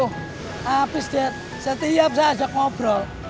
habis setiap saya ajak ngobrol